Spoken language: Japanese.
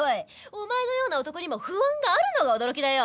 お前のような男にも不安があるのが驚きだよ。